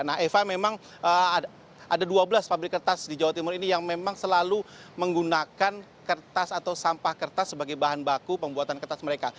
nah eva memang ada dua belas pabrik kertas di jawa timur ini yang memang selalu menggunakan kertas atau sampah kertas sebagai bahan baku pembuatan kertas mereka